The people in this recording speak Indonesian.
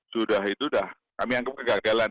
sudah itu sudah kami anggap kegagalan